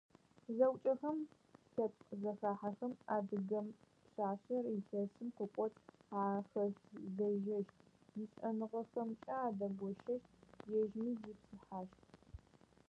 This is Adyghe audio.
Зэӏукӏэхэм, лъэпкъ зэхахьэхэм адыгэ пшъашъэр илъэсым къыкӏоцӏ ахэлэжьэщт, ишӏэныгъэхэмкӏэ адэгощэщт, ежьми зипсыхьащт.